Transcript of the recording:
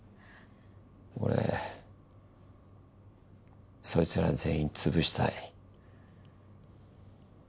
俺そいつら全員潰したい。